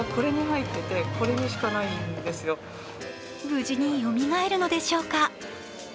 無事によみがえるのでしょうか？